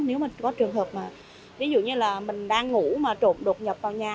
nếu mà có trường hợp mà ví dụ như là mình đang ngủ mà trộm đột nhập vào nhà